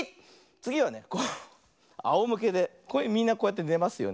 つぎはねあおむけでみんなこうやってねますよね。